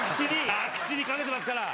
着地にかけてますから。